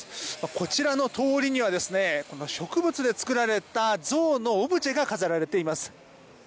こちらの通りには植物で作られた象のオブジェが飾られています。